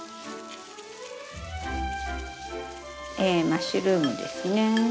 マッシュルームですね。